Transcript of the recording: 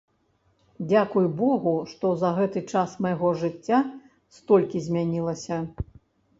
Дзякуй богу, што за гэты час майго жыцця столькі змянілася.